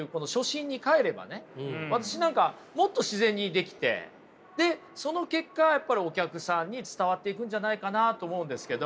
私なんかもっと自然にできてでその結果やっぱりお客さんに伝わっていくんじゃないかなと思うんですけど。